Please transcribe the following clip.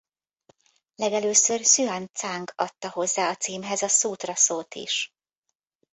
Legelőször Hszüan-cang adta hozzá a címhez a szútra szót is.